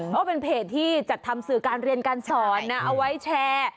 เพราะเป็นเพจที่จัดทำสื่อการเรียนการสอนนะเอาไว้แชร์